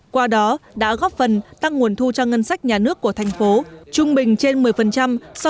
qua đó đã góp phần tăng nguồn thu cho ngân sách nhà nước của thành phố